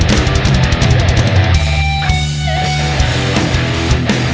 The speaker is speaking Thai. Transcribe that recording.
ขอบคุณทุกคน